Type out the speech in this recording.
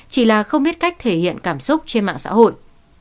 chỉ là không biết cách thể hiện cảm xúc trên mạng xã hội